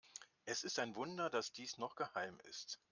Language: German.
Es ist ein Wunder, dass dies noch geheim ist.